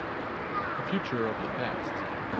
The Future of the Past.